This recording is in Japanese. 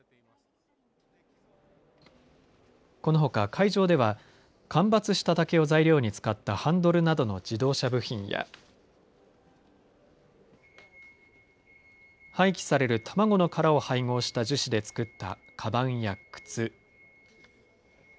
このほか会場では間伐した竹を材料に使ったハンドルなどの自動車部品や廃棄される卵の殻を配合した樹脂で作ったかばんやくつ。